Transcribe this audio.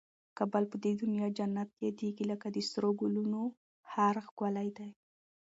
کابل په دي دونیا جنت یادېږي لکه د سرو ګلنو هار ښکلی دی